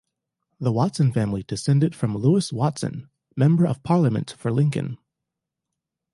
The Watson family descended from Lewis Watson, Member of Parliament for Lincoln.